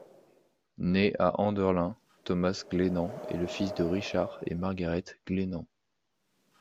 Né à Enderlin Thomas Glennan est le fils de Richard et Margaret Glennan.